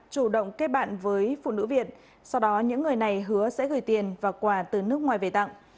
chủ động kết bạn với phụ nữ việt sau đó những người này hứa sẽ gửi tiền và quà từ nước ngoài về tặng